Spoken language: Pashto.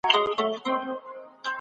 بدکاره ملګري له ځانه لرې کړه.